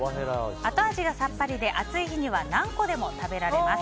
後味がさっぱりで暑い日には何個でも食べられます。